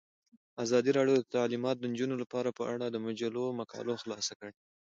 ازادي راډیو د تعلیمات د نجونو لپاره په اړه د مجلو مقالو خلاصه کړې.